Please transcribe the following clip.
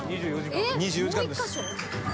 ２４時間です。